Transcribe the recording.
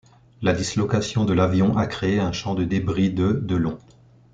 La dislocation de l'avion a créé un champ de débris de de long.